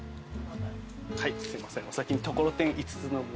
すいませんお先にところてん５つの分。